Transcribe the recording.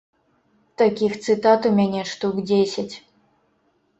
Такіх цытат у мяне штук дзесяць.